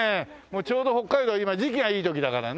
ちょうど北海道今時期がいい時だからね。